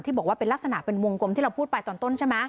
บอกว่าเป็นลักษณะเป็นวงกลมที่เราพูดไปตอนต้นใช่ไหม